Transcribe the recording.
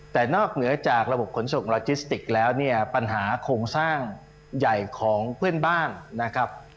แต่นอกเหนือจากระบบขนส่งลาจิสติกแล้วเนี่ยปัญหาโครงสร้างใหญ่ของเพื่อนบ้านนะครับ